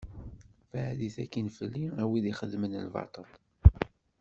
Beɛdet akkin fell-i, a wid i xeddmen lbaṭel.